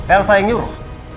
elsa yang nyuruh